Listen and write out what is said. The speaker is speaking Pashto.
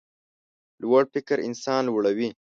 لوړ فکر انسان لوړوي.